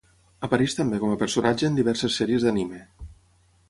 Apareix també com a personatge en diverses sèries d'anime.